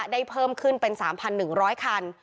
เพิ่มขึ้นเป็น๓๑๐๐คัน